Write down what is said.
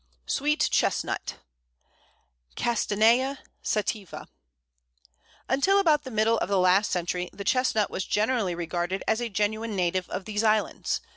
Sweet Chestnut (Castanea sativa). Until about the middle of the last century the Chestnut was generally regarded as a genuine native of these islands.